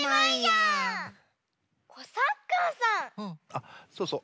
あっそうそう。